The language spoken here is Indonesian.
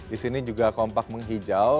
di sini juga kompak menghijau